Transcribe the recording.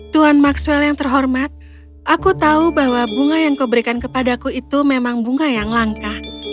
tuan maxwell yang terhormat aku tahu bahwa bunga yang kau berikan kepadaku itu memang bunga yang langka